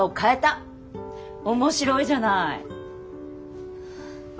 面白いじゃない。